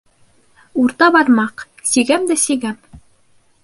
Урта бармаҡ: «Сигәм дә сигәм»